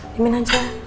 demi nanti lah